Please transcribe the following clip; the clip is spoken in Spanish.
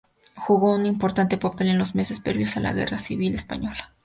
Jugó un importante papel en los meses previos a la Guerra Civil Española.